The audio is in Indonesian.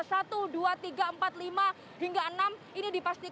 satu dua tiga empat lima hingga enam ini dipastikan sudah dievakuasi keluar dari tunjungan plaza